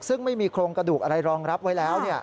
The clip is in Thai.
ซึ่งไม่มีโครงกระดูกอะไรรองรับไว้แล้ว